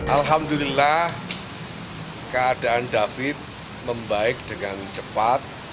alhamdulillah keadaan david membaik dengan cepat